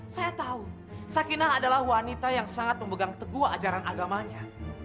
saya tahu sakinah adalah wanita yang sangat memegang teguh ajaran agamanya